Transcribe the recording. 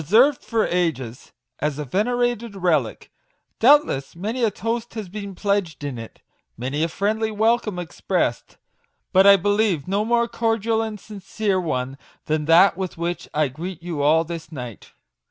51 served for ages as a venerated relic: doubtless many a toast has been pledged in it many a friendly welcome expressed ; but I believe no more cordial and sincere one than that with which I greet you all this night.